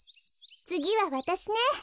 つぎはわたしね。